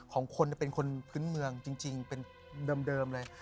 ของคนเป็นคนพื้นเมืองจริงเป็นเดิมเลย